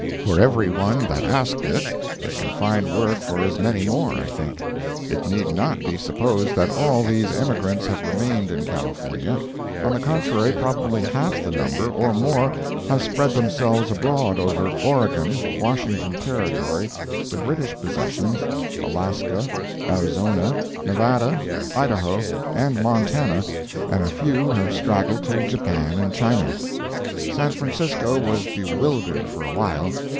For every one that asked it. It can find work for as many more, I think. It need not be supposed that all these emigrants have remained in California. On the contrary, probably half the number, or more, have spread themselves abroad over Oregon, Washington Territory, the British possessions, Alaska, Arizona, Nevada, Idaho, and Montana, and a few have straggled to Japan and China. San Francisco was bewildered for awhile.